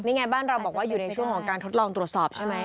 นี่ไงบ้านเราบอกว่าอยู่ในช่วงของการทดลองตรวจสอบใช่ไหม